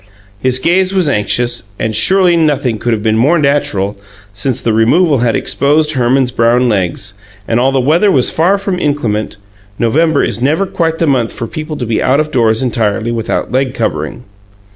His gaze was anxious, and surely nothing could have been more natural, since the removal had exposed Herman's brown legs, and, although the weather was far from inclement, November is never quite the month for people to be out of doors entirely without leg covering.